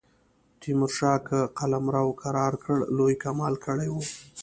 تیمورشاه که قلمرو کرار کړ لوی کمال کړی وي.